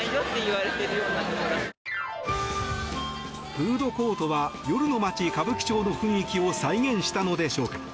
フードコートは夜の街・歌舞伎町の雰囲気を再現したのでしょうか。